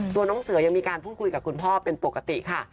ตัวน้องเสือยังมีการพูดคุยกับคุณพ่อเป็นปกติค่ะ